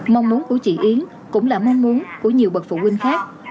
mong muốn của chị yến cũng là mong muốn của nhiều bậc phụ huynh khác